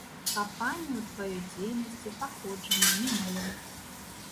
Капанне ў тваёй дзейнасці, паходжанні, мінулым.